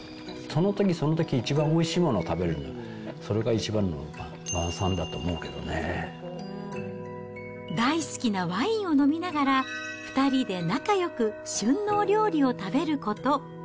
そのときそのとき、一番おいしいものを食べる、それが一番の大好きなワインを飲みながら、２人で仲よく旬のお料理を食べること。